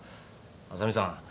浅見さん。